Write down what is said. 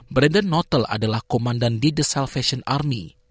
brandon nottel adalah komandan di the salvation army